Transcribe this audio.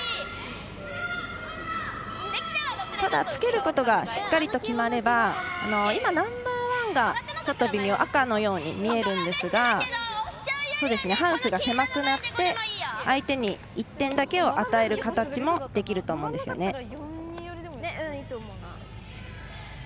ただ、つけることがしっかり決まればナンバーワンが赤のように見えるんですがハウスが狭くなって相手に１点だけを与える形もできると思うんですよね。